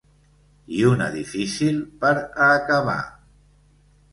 I una difícil per a acabar.